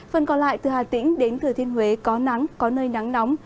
phần còn lại từ hà tĩnh đến thừa thiên huế có nắng có nơi nắng nóng